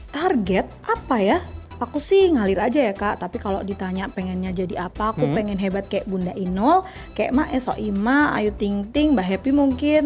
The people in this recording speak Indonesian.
target apa ya aku sih ngalir aja ya kak tapi kalau ditanya pengennya jadi apa aku pengen hebat kayak bunda inul kayak maesoima ayu tingting mbak happy mungkin